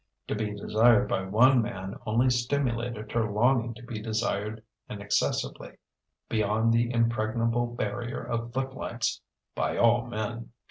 To be desired by one man only stimulated her longing to be desired inaccessibly beyond the impregnable barrier of footlights by all men.